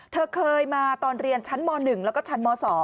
เธอเคยมาตอนเรียนชั้นม๑แล้วก็ชั้นม๒